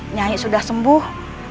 nyai sudah sembuh